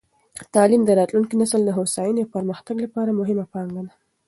تعلیم د راتلونکې نسل د هوساینې او پرمختګ لپاره مهمه پانګه ده.